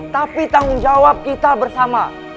tapi tanggung jawab kita bersama